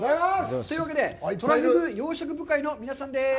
というわけで、トラフグ養殖部会の皆さんです。